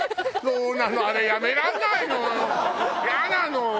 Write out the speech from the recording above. そうなの。